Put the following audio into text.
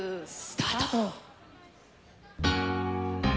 スタート！